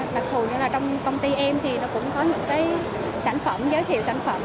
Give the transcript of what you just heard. đặc thù như trong công ty em thì nó cũng có những sản phẩm giới thiệu sản phẩm